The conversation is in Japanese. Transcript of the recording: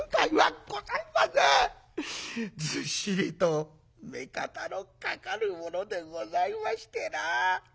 ずっしりと目方のかかるものでございましてな。